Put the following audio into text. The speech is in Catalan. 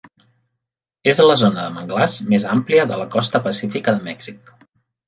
És la zona de manglars més àmplia de la costa pacífica de Mèxic.